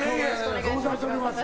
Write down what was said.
ご無沙汰しております。